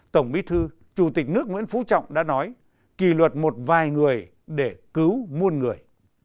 tổng bí thư chủ tịch nước nguyễn phú trọng đã nói kỳ luật một vài người để cứu muôn người